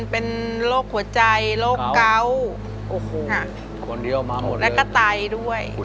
เป็นโรคหัวใจโรคเกาโอ้โหคนเดียวมาหมดแล้วก็ไตด้วย